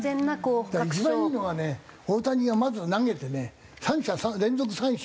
一番いいのがね大谷がまず投げてね三者連続三振。